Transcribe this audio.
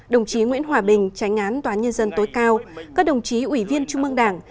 đồng chí nguyễn hòa bình tránh án tòa án nhân dân tối cao các đồng chí ủy viên trung mương đảng